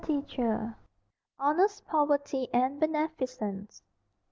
[Pg 56] HONEST POVERTY AND BENEFICENCE.